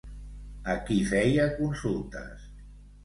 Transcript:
A qui feia consultes?